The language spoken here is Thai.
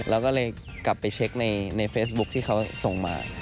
แล้วก็เลยกลับไปเช็คในเฟซบุ๊คที่เขาส่งมา